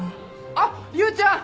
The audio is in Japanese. あっ龍ちゃん！